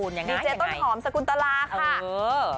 ดีเจต้นหอมสกุลตลาค่ะ